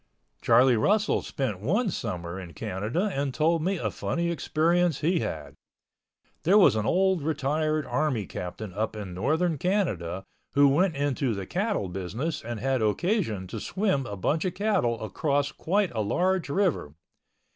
Charlie Russell spent one summer in Canada and told me a funny experience he had. There was an old retired army captain up in northern Canada who went into the cattle business and had occasion to swim a bunch of cattle across quite a large river.